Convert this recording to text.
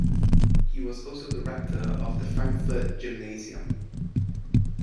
He was also the rector of the Frankfurt Gymnasium.